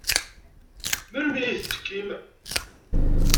Melmi ay d-tettakim?